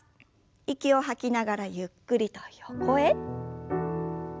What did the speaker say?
息を吐きながらゆっくりと横へ。